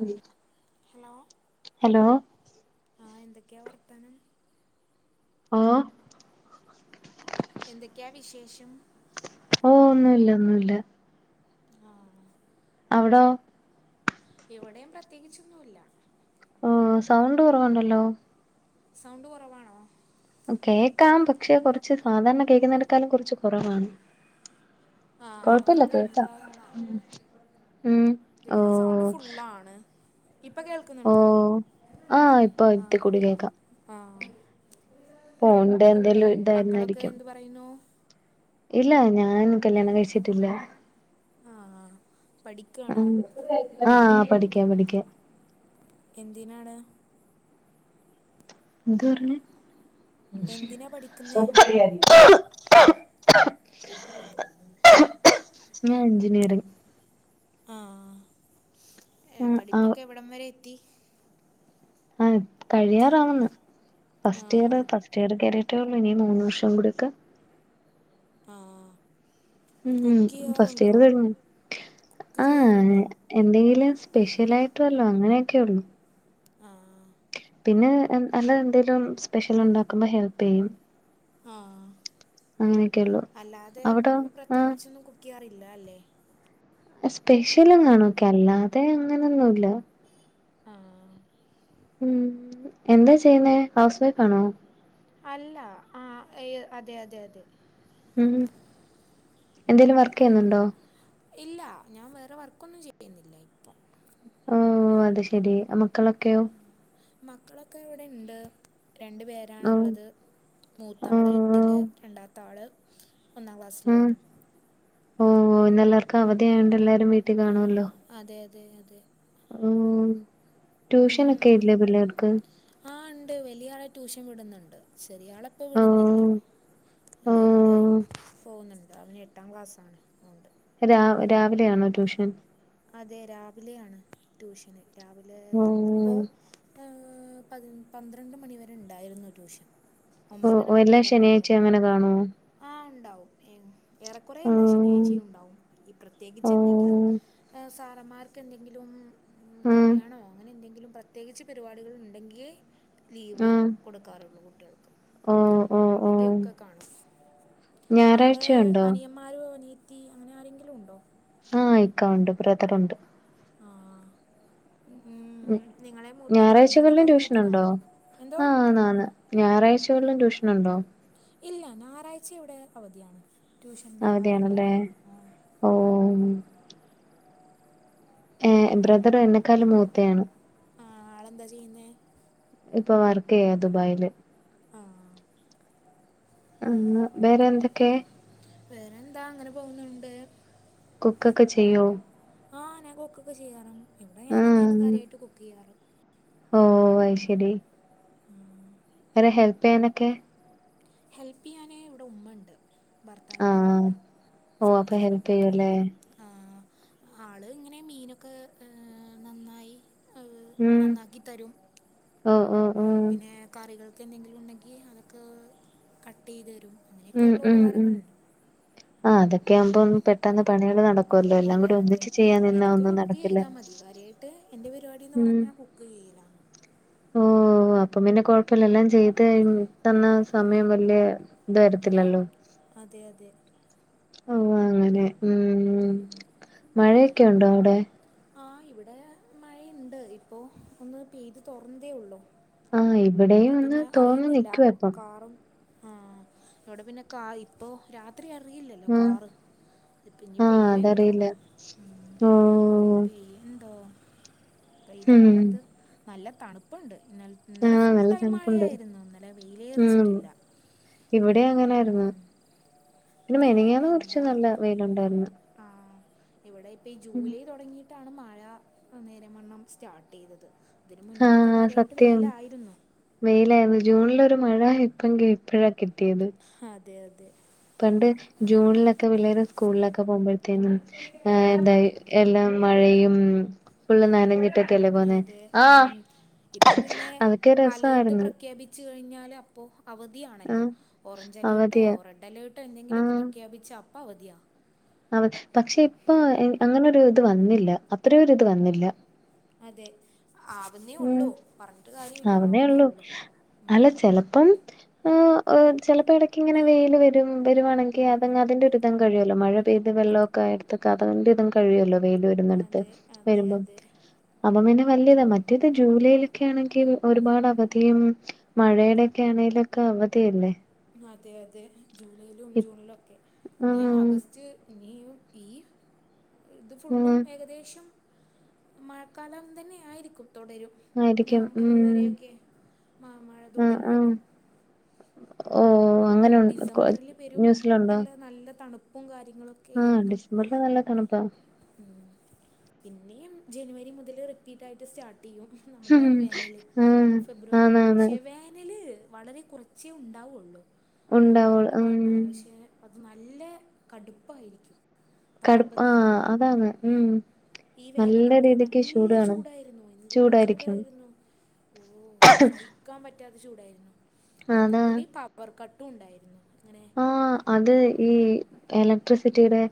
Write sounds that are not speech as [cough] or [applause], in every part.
ഉം hello hello ആ എന്തൊക്കെയാ വർത്താനം. ഓ.. എന്തൊക്കെയാ വിശേഷം? ഓ ഒന്നുല്ല ഒന്നുല്ല. ആ.. അവിടോ? ഇവിടെയും പ്രത്യേകിച്ചൊന്നുല്ല. ഓ സൗണ്ട് കുറവുണ്ടല്ലോ! സൗണ്ട് കുറവാണോ? കേക്കാം, പക്ഷെ കുറച്ച് സാധാരണ കേൾക്കുന്നടക്കാലും കുറച്ച് കുറവാണ്. ആ കൊഴപ്പില്ല കേക്കാം അതെന്താന്നാവോ. ഉം ഓ ഇതിലൊക്കെ സൗണ്ട് ഫുള്ളാണ്. ഇപ്പൊ ഓ കേൾക്കുന്നുണ്ടോ ആഹ് ഇപ്പൊ ആ ഇത്തി കൂടി ആ. പോണ്ടെ എന്തേലും ഒരു.. മക്കളൊക്കെ എന്തു പറയുന്നു? ഇല്ല ഞാൻ കല്ല്യാണം കഴിച്ചിട്ടില്ല. ആ പഠിക്കാണോ? ആ ആ പഠിക്കാ പഠിക്ക. എന്തിനാണ്? എന്തു പറഞ്ഞ് എന്തിനാ പഠിക്കുന്നേ [unintelligible] [unintelligible] ആ എ ആഹ് പഠിപ്പൊക്കെ എവിടം വരെ എത്തി? ആഹ കഴിയാറാവന്ന്, ഫസ്റ്റ് ഇയർ. ആഹ് [unintelligible] കയറിയട്ടെ ഒള്ളൂ ഇനി മൂന്ന് വർഷം കൂടൊക്കെ ആ.. ഉം ഫസ്റ്റ് ഇയർ [unintelligible] കുക്ക് ആഹ്.. ചെയ്യാറുണ്ടോ എന്തെങ്കിലും സ്പെഷ്യൽ ആയിട്ട് വെല്ലോം അങ്ങനെയൊക്കെള്ളൂ ആഹ് പിന്നേ അല്ലന്തെന്തേങ്കിലും സ്പെഷ്യൽ ഉണ്ടാക്കുമ്പോ ഹെൽപിയ്യും. ആഹ് അങ്ങനെയൊക്കെയുള്ളൂ അല്ലാതെ അവിടോ ആഹ് പ്രത്യേകിച്ചൊന്നു കു ക്കാറില്ല അല്ലേ. സ്പെഷ്യൽന്നാണോക്കെ അല്ലാതെ അങ്ങനെയൊന്നുല്ല. ആഹ് മ് എന്താ ചെയ്യുന്നേ ഹൗസ് വൈഫ് ആണോ. അല്ല ആഹ് എഅതെ അതെ അതെ. മ്. ഇല്ല, ഞാൻ വേറെ വർക്കൊന്നും ചെയ്യുന്നില്ല ഇപ്പൊ. ഓ അത് ശെരി മക്കളൊക്കെ? മക്കളൊക്കെ ഇവിടെണ്ട് രണ്ടു ഓഹ് പേരാണ്ള്ളത്. മൂത്താള് എട്ടില് ഓഹ് രണ്ടാത്താള് ഒന്നാ ക്ലാസ്സിലാണ്. ഓ ഇന്ന് എല്ലാർക്കും അവധിയോണ്ട് എല്ലാരും വീട്ടിൽ കാണോല്ലോ ആഹ് അതെ അതെ അതെ ഓ ട്യൂഷനെക്കെ ഇല്ലേ പിള്ളേർക്ക്. ആ ഇണ്ട് വലിയ ആളെ ട്യൂഷൻ വിടുന്നുണ്ട്. ചെറിയാളെ ഇപ്പ വിടുന്നില്ല ഓഹ് വലിയ ആള് ഓഹ് പോകുന്നുണ്ട് അവന് എ എട്ടാം ക്ലാസ്സാണ് ഉണ്ട്. ര രാവിലെ ആണോ ട്യൂഷൻ. അതെ രാവിലെയാണ് ട്യൂഷന് രാവിലെ ഇന്ന്പ്പോ ഓഹ് പ് പന്ത്രണ്ട് മണിവരെ ഇണ്ടായിരുന്നു ടൂഷൻ. ഓഹ് ഒമ്പതര ഓഹ് മുതല് എല്ലാ പന്ത്രണ്ട. ശനിയാഴ്ചയും അങ്ങനെ കാണോ ആഹ് ഉണ്ടാവും ഏ ഏറെക്കുറെ എല്ലാ ഓഹ് ശനിയാഴ്ചയും ഉണ്ടാവും ഈ പ്രത്യേകിച്ച് എന്തെങ്കിലും ഓഹ് ആ, സാറന്മാർക്ക് എന്തെങ്കിലും ഉം കല്യാണോ അങ്ങനെ എന്തെങ്കിലും പ പ്രത്യേകിച്ച് പരിപാടികളുണ്ടെങ്കി ലീവ് ആഹ് കൊടുക്കാറൊള്ളൂ കുട്ട്യാൾക്ക്. ഓഹ് ഓഹ് ഇല്ലങ്കി ഓഹ് ഒക്കെ കാണും. അവിടെ ഞായറാഴ്ചയുണ്ടോ അനിയ ന്മാരൊ അനിയത്തി അങ്ങനെ ആരെങ്കിലും ഉണ്ടോ. ആഹ് ഇക്ക ഉണ്ട് ബ്രദറുണ്ട്. ആഹ്. ഉം മ് നിങ്ങളെ മൂത്തതാണോ ഞാറാഴ്ച കളിലും നിങ്ങളെക്കാൾ ട്യൂഷൻ ഉണ്ടോ. മൂത്തതാണോ എന്തോ ആഹ് നാന് ഞായറാഴ്ചകൾലും ട്യൂഷനുണ്ടോ ഇല്ല ഞായറാഴ്ച ഇവിടെ അവധിയാണ്. ട്യൂഷൻ അവതി ഉണ്ടാവാറില്ല ആണല്ലേ ആഹ് ഓ. ഏ ബ്രദർ എന്നെക്കാലും മൂത്തയാണ്. ആഹ് ആളെന്താ ച്ചിയ്യ്ന്നേ. ഇപ്പൊ വർക്കിയ്യാ ദുബായില്. ആഹ്. ആ ബേറെ എന്തൊക്കെ. വേറെ എന്താ അങ്ങനെ പോന്നുണ്ട്. കുക്കൊക്കെ ചെയ്യോ. ആഹ് ഞാൻകുകൊക്കെചെയ്യറാണ്. ഇവിടെ ഞാനന്നേണ് കാര്യായിട്ട് കുക്കീ യാറ്. ഓ ഐ ശെരി. അ. അ. ര ഹെൽപിയാനൊക്കെ ഹെൽപ്പീയാന് ഇവിടെ ഉമ്മണ്ട്. ഭർത്താവിൻ്റെ ആഹ് ഉമ്മണ്ട് ഓ അപ്പൊ ഹെൽപിയുല്ലേ. ആഹ് ആള് ഇങ്ങനെ മീനൊക്കെ ഏ നന്നായി നന്നാക്കി തരും. ഒ ഒ. ഓ പിന്നെ കറികൾക്ക് എന്തെങ്കിലും ഉണ്ടെങ്കി അതൊക്കെ കട്ട് ചെയ്ത് തരും ഉം അങ്ങനെയൊക്കെയുള്ള ഉം ഉം ഉപകാരങ്ങളുണ്ട്. ആഹ് അതൊക്കെ ആവുമ്പം പെട്ടന്ന് പണികള് നട ക്കൊല്ലോ എല്ലാം അതെ കൂടി അതെ ഒന്നിച്ച് ചെയ്യാൻ നിന്നാ ഒന്നും നടക്കില്ല ട്ട് എൻ്റെ പരിപാടിന്ന് പറഞ്ഞാ കുക്ക് ചെയ്യലാണ് ഓഹ് ഓഹ് അപ്പം പിന്നെ കൊഴപ്പില്ലല്ല എല്ലാം ചെയ്ത് കഴിഞ്ഞ് ട്ടെ ന്ന സമയം വല്യ ഇത് വരത്തില്ലല്ലോ അതെ അതെ ഓഹ് അങ്ങനെ ഉം മഴയൊക്കെ ഉണ്ടോ അവ്ടെ ആഹ് ഇവിടെയാ മഴയ്ണ്ട് ഇപ്പോ ഒന്ന് പെയ്ത് തോർന്നതേയുള്ളൂ ആഹ് ഇബ് അപ്പൊ പിന്നെ അറിയുന്നില്ല കാറും ആഹ് ഇവിടെ പിന്നെ കാ ഇപ്പോ രാ ത്രി അറിയില്ലല്ലോ ആഹ് കാറ് ഇപ്പിഞ്ഞി ആഹ് പെയ്യോ എന്തോ അതറിയില്ല ഓ പെയ്യ്ണ്ടോ പെയ്താ ഉം ഇത് നല്ല തണുപ്പുണ്ട് ഇന്ന ഇന്നലെ ആഹ് ഫുൾ നല്ല ടൈം തണുപ്പുണ്ട് മഴയായിരുന്നു ഇന്നലെ ഉം വെയിലേറിച്ചിട്ടില്ല ഇവിടെ അങ്ങനായിരുന്നു ഉം പിന്നെ മെനഞ്ഞാന്ന് കൊറച്ചു നല്ല വെയിലുണ്ടാര്ന്നു ആഹ് ഇവിടെ ഇപ്പ ഈ ജൂലൈ തുടങ്ങി ട്ടാണ് മഴ നേരെമണ്ണം സ്റ്റാർട്ടെയ്തത് ഇതിന് മുൻപൊക്കെ ആഹ് കാര്യായിട്ട് സത്യം വെയിലായിരുന്നു വെയിലായിരുന്നു ജൂണിലൊരു മഴ ഇപ്പങ്കി ഇപ്പോഴാ കിട്ടിയത്. അതെ അതെ പണ്ട് ജൂണിലൊക്കെ പിള്ളേര് സ്കൂളിലൊക്കെ പോവുമ്പൊഴ്‌ത്തേനും ഏഹ് അതെ എന്തായി എല്ലാം മഴയും ഫുള്ളും നനഞ്ഞിട്ട് അതെ ഉം ഇപ്പൊ പിന്നെ അതൊക്കെ അലേർട്ട് രസായിരുന്നു പ്രഖ്യാപിച്ച് കഴിഞ്ഞാല് അപ്പോ അവധിയാണല്ലോ. ആഹ് ഓറഞ്ച് അലേർട്ടോ അവധിയാ റെഡ് അലേർട്ടോ എന്തെങ്കിലൊക്കെ ആഹ് പ്രഖ്യാപിച്ചാ അപ്പ അവധിയാ അവ പക്ഷെ ഇപ്പൊ അങ്ങനൊരു ഇത് വന്നില്ല അത്രയൊരിത് വന്നില്ല അതെ ഉം ആവുന്നേയൊള്ളൂ പറഞ്ഞിട്ട് കാര്യവില്ല ആവുന്നേ ഉള്ളൂ ആവുന്നേയുള്ളു ഉം അല്ല ചെലപ്പം ആഹ് എഹ് ചിലപ്പോ ഇടയ്ക്ക് ഇങ്ങനെ വെയില് വരും വരുവാണെങ്കിൽ അതങ്ങ് അതിന്റെ ഒരിതങ്ങ് കഴിയുവല്ലോ. മഴ പെയ്ത് വെള്ളവൊക്കെ ആയട്ത്തൊക്കെ അതന്റെ ഇതും കഴിയുവല്ലോ വെയ്ല് വരു രുന്നടത്ത് അതെ അതെ വരുമ്പോ അതെ അപ്പ പിന്നെ വല്യതാ മ മറ്റേത് ജൂലൈയിലൊക്കെ യാണെങ്കിൽ ഒരുപാട് അവധിയും മഴേടെയൊക്കെ ആണേലൊക്കെ അവധിയല്ലേ അതെ അതെ ജൂലൈയിലും ജൂണിലൊക്കെ ഇനി ആഹ് ആഗസ്റ്റ് ഇനിയും ഈ ഇത് ഫുള്ളും ആഹ് ഏകദേശം മഴക്കാലം തന്നെയായിരിക്കും തുടരും ആയിരിക്കും നവംബർ ഉം വരെയൊക്കെ മ മഴ ആഹ് ആഹ് തുടരുവല്ലോ ഓഹ് പിന്നെ അങ്ങനെ ഡിസംബറിൽ പെരും ന്യൂസിലുണ്ടോ നല്ല നല്ല തണുപ്പും കാര്യങ്ങളൊ ആഹ് ഡിസംബർല് നല്ല തണുപ്പാ ഉം പിന്നെയും ജനുവരി മുതൽ റിപ്പീറ്റ് ആയിട്ട് സ്റ്റാർട്ട് ചെയ്യും നമ്മുടെ ഉം വേനല് ഫെബ്രുവരി മുതൽ ആന്നാന്ന് ഷേ വേനല് വളരെ കുറച്ചേ ഉണ്ടാവൊള്ളൂ ള്ളൂ ഒന്ന് ഉണ്ടാവുള്ളു രണ്ട് ഉം മ ആവശ്യേ അത് നല്ല കടുപ്പായിരിക്കും കടുപ്പ ആ താപനില ഉം അതാണ് ഈ നല്ല വേനലൊക്കെ രീതിക്ക് നല്ല ചൂടാണ് ചൂടായിരുന്നു എന്തോരു ചൂടായിരിക്കും ചൂടായിരുന്നു ഓഹ് സഹിക്കാൻ പറ്റാത്ത ചൂടായിരുന്നു അതാ അത്ക്കൂടി പവർ കട്ടും ഉണ്ടായിരുന്നു അങ്ങനെ ആഹ് അത് ഈ ഉം എലക്ട്രിസിറ്റിയുടെ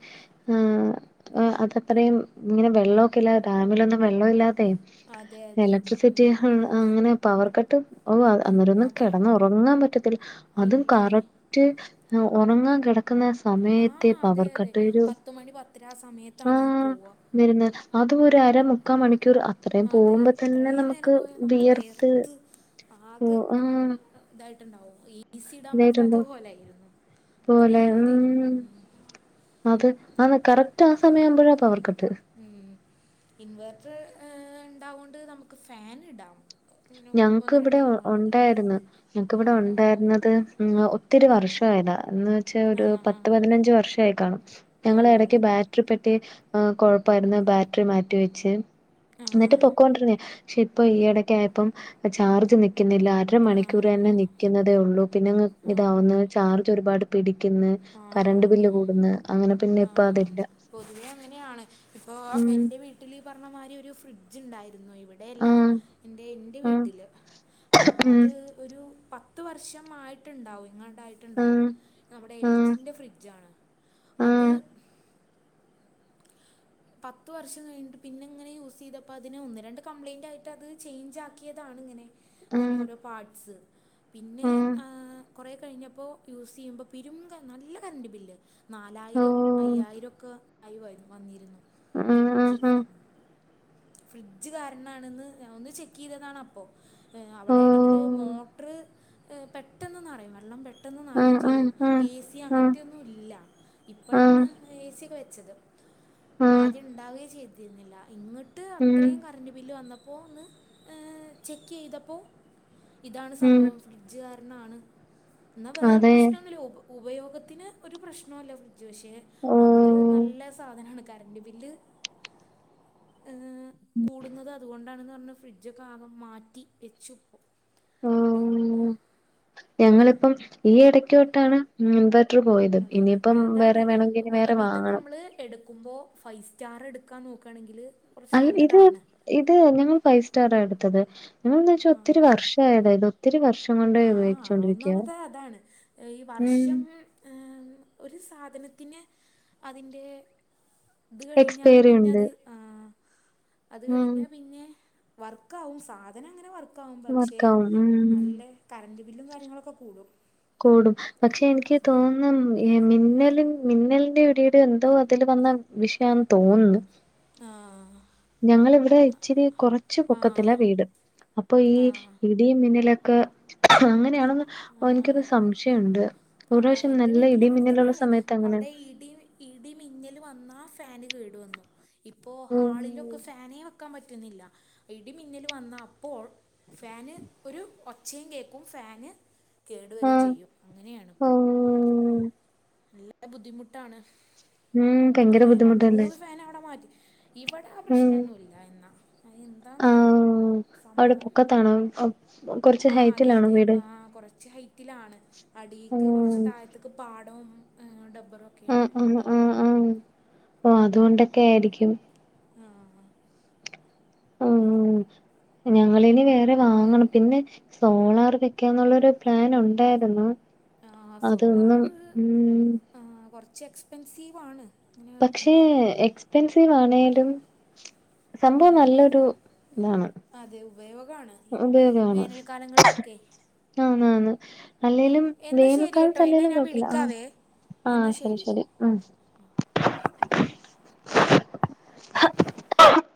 ആഹ് അ അതത്രയും ഇങ്ങനെ വെള്ളവൊക്കെ ഇല്ലാതെ ഡാമിലൊന്നും വെള്ളം ഇല്ലാതെയ് അതെ അതെ എലക്ട്രിസിറ്റി ഉം ഹൊ അങ്ങനെ പവർ കട്ട് ഓഹ് അന്നേരൊന്നും അതെ കെടന്ന് ഉറങ്ങാൻ പറ്റത്തില്ല അതും ഇല്ലേ കറ ക്റ്റ് ഹ് ഒറങ്ങാൻ കെട ക്ക്‌ന്ന സമയത്തെ ആഹ് അതെ പവർ അതെ കട്ട് വരൂ. പത്ത് മണി പത്തര ആ സമയത്താണ് ആഹ് പോവാ ന്ന് ര്ന്ന് അതും ഒര് അര മുക്കാ മണിക്കൂർ അ ത്രേം അതെ പോവുമ്പോ തന്നെ അത്രയും നേരം നമക്ക് പോയാൽ നമ്മള് വിയർത്ത് വെയർത്ത് ഓ ആകെ ആഹ് ഇതായിട്ടുണ്ടാവും എ സി ഇടാൻ പറ്റാത്ത ഇതായിട്ടുണ്ട് കോലായിരുന്നു അത്രേം പോലെ ഉം ഇതാര്ന്നു അത് ആണ് കറക്റ്റ് ആ സമയവുമ്പോഴ പവർക്കട്ട്. ഉം ഇൻവേർട്ടറ് ഈഹ് ഇണ്ടാവോണ്ട് നമക്ക് ഫാൻ ഇടാം. ഇങ്ങനെ ഒന്ന് ഞങ്ങക്ക് ഒന്ന് ഇവ്ടെ രണ്ട് ഓ റൂമുകളിലൊക്കെ ഒണ്ടാര്ന്ന് ഞങ്ങക്ക് ഇവ്ടെ ആഹ് ഒണ്ടാര്ന്നത്. മ്മ് ഒത്തിരി വർഷായതാ എന്ന് വെച്ചാ ഒരു ആഹ് പത്ത് ആഹ് പതിനഞ്ച് വർഷായി കാണും. ഞങ്ങള് എടക്ക് ഓ ബാറ്ററി പെട്ടി ഈഹ് കൊഴപ്പായിര്ന്ന് ബാറ്ററി മാറ്റിവെച്ച്. ന്നിട്ട് ആഹ് പൊക്കോണ്ടിര്ന്നെ പക്ഷെ ഇപ്പൊ ഈ എടക്കായപ്പം ചാർജ് നിക് ക്കുന്നില്ല അര മണിക്കൂറെന്നെ ആഹ് നിക്കുന്നതേയൊള്ളൂ പിന്നാങ്ങ് ആഹ് ഇതാവുന്ന് ആഹ് ചാർജ് ഒരുപാട്. പിടിക്കുന്ന് കറണ്ട് ആഹ് ബില്ല് കൂടുന്ന് അങ്ങനെ പിന്നെ ഇപ്പ ആഹ് അതില്ല പൊതുവെ ഉം വീട്ടില് പറഞ്ഞമാരി ഒര് ഫ്രിഡ്ജ്ണ്ടായിരുന്നു ഇവ് ടെയല്ല ആഹ് ഇന്റെ ഇന്റെ ആഹ് വീട്ടില് അ ഉം അത്. ഒരു പത്ത് വർഷം ആയിട്ടുണ്ടാവും ഇങ്ങാണ്ടായിട്ടുണ്ടാവും. ആഹ് എൽ ജീ്ന്റാ ആഹ് ഫ്രിഡ്ജാണ് അത്. പത്ത് വർഷം കഴിഞ്ഞിട്ട് പിന്നിങ്ങനാ യൂസെയ്തപ്പോ അതിന് ഒന്ന് രണ്ട് കംപ്ലയിന്റ് ആയിട്ട് അത് ചേഞ്ച് ആക്കിയതാണ് ഇങ്ങനെ. ആഹ് ആഹ് അതിന്റൊരോ പാർട്സ് പിന്നെ ആഹ് കുറേ കഴിഞ്ഞപ്പോ യൂസെയ്യുമ്പോ പിരും നല്ല കറണ്ട് ബില്ല് നാലായിരം ഓഹ് അയ്യായിരോക്കെ ആയി വരും വന്നിരുന്നു. ആഹ് ഫ്രിഡ്ജ് ആഹ് ആഹ് ഫ്രീ ഫ്രിഡ്ജ് കാരണാണ്ന്ന് ഒന്ന് ചെക്കെയ്തതാണ് അപ്പൊ. ഈഹ് അവ്ടെണെങ്കില് ഓഹ് മോട്ട്റ് ഏഹ് പെട്ടെന്ന് നിറയും വെള്ളം പെ ട്ടന്ന് നിറയേം ആഹ് ചെയ്യും ആഹ് എ സി ആഹ് അങ്ങൻത്തെയോന്നുല്ല ആഹ് ഇപ്പഴാണ് ആഹ് എ സി ഒക്കെ വെച്ചത്. ആഹ് ആദ്യം ഇണ്ടാവേ ചെയ്തിര്ന്നില്ല ഇങ്ങട്ട് ഉം അത്രയും കറണ്ട് ബില്ല് വന്നപ്പോ ഒന്ന്. ഈഹ് ചെക്കെയ്തപ്പോ ഇതാണ് ഉം സംഭവം ഫ്രിഡ്ജ് കാരണാണ്. ന്നാ വേറെ അതെ പ്രശ്നൊന്നുല്ല ഉ ഉപയോഗത്തിന് ഒരു പ്രേശ്നോല്ല ഫ്രി ഡ്ജ് പക്ഷെ ആള് ഓഹ് നല്ല സാധനാണ് കറന്റ് ബില്ല്. ഈഹ് കൂടുന്നത് അതുകൊണ്ടാണെന്ന് പറഞ്ഞ് ഫ്രിഡ്ജൊക്കെ ആകെ മാറ്റി വെച്ചുപ്പോ. ഓഹ് ഞങ്ങളിപ്പം ഈ ഇടയ്ക്കോട്ടാണ് ഇൻവെട് റ് പോയത് അതെ ഇനിയിപ്പം വേറെ വേണോങ്കി ഇനി വേറെ വാങ്ങണം. എടുക്കുമ്പോ ഫൈവ് സ്റ്റാർ എട്ക്കാൻ നോക്കാണെങ്കില്. അൽ ഇത് ഇത് ഞങ്ങൾ ഫൈവ് സ്റ്റാറാ എട്ത്തത്. പിന്നെന്താച്ചാ ഒത്തിരി വർഷം ആയതാ ഒത്തിരി വർഷ ആഹ് ഒന്നാമത്തെ അതാണ് ഈ ഉം വർഷം. ഈഹ് ഒര് സാധനത്തിന് അതിൻ്റെ. ത് കഴിഞ്ഞാല് എക്സ്പയറി ഉണ്ട് പിന്നത് അത് ഉം കഴിഞ്ഞാ പിന്നെ വർക്ക് ആവും സാധനം അങ്ങനെ വർ ക്കാവും പക്ഷെ വർക്കാവും ഉം നല്ലെ. കറന്റ്‌ ബില്ലും കാര്യങ്ങളൊക്കെ കൂടും ഉം ഉം ഈ മിന്നല് മിന്നലിന്റെ ഇടിടേം എന്തോ അതിൽ വന്ന വിഷയന്ന് തോന്ന്ന്ന്. ആഹ് ഞങ്ങള് ഇവ്ടെ ഇച്ചിരി കൊറച്ച് പൊക്കത്തില്ല ആഹ് വീട്. അപ്പൊ ഈ ആഹ് ഇടിയും മിന്നലൊക്കാ അങ്ങനെയാണെന്ന് ഓൻക്കൊര് ആഹ് സംശയംണ്ട്. ആഹ് എന്റെ വീട്ടിലും അങ്ങനെ തന്നെയാണ് അങ്ങനെ അവ്ടെ ഇടി ഇടിമിന്നല് വന്ന ഫാന് കേട് വന്നു ഇപ്പോ ഉം ഹാളിലൊക്കെ ഫാനെ വെക് ക്കാൻ പറ്റുന്നില്ല ഇടിമിന്നല് വന്ന അപ്പോൾ ഫാന് ഒരു ഒച്ചയും കേക്കും ഫാന്. കേടുവെരും ആഹ് ചെയ്യും അങ്ങനെയാണിപ്പോൾ. ഓഹ് നല്ല ബുദ്ധിമുട്ടാണ് ഉം ഭയങ്കര ഇങ്ങനെ രണ്ട് ബുദ്ധിമുട്ടല്ലേ മൂന്ന് ഫാൻ അവിടെ മാറ്റി. ഇവിടെ ആ ഉം പ്രശ്നമെന്നുമില്ല എന്നാ എന്താണാവോ. ആഹ് അവിടെ പൊക്കത്താണോ? കൊറച്ച് ആ അതെ ഹൈറ്റിലാണോ അതെ വീട്? ആ കുറച്ച് ഹൈറ്റിലാണ് അടിക്ക് കുറച്ച് ഉം താഴത്ത്- പാടവും ഡബ്ബറും ഒക്കെയാണ് ആഹ് ആഹ് ആ ആ ഓ അതുകൊണ്ടൊക്കെ ആയിരിക്കും. ആഹ് ഉം ഞങ്ങളിനി വേറെ വാങ്ങണം പിന്നെ. സോളാർ വെക്കാന്നുള്ള ഒരു പ്ലാൻ ഉണ്ടായിരുന്നു. ആ അതൊന്നും സോളാറ് ഉം. ആ കുറച്ച് എക്സ്പെൻസീവണ്. പക്ഷെ എക്സ്പെൻസീവ് ആണേലും സംഭവം നല്ലൊരു- ഇതാണ് അതെ ഉപയോഗമാണ് ഈ വേനൽ കാലങ്ങളിലൊക്കെ- ആണ് ആണ്. അല്ലേലും വേനൽ ശരി കേട്ടോ കാലത്ത് എന്നാൽ അല്ലെലും ഞാൻ കൊഴപ്പമില്ല വിളിക്കാവേ ആ ശരി ശരി ഉം. [inaudible]